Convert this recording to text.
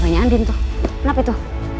banyak andin tuh kenapa itu